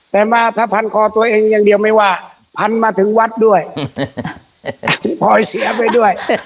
แต่มาถ้าพันคอตัวเองอย่างเดียวไม่ว่าพันมาถึงวัดด้วยพลอยเสียไปด้วย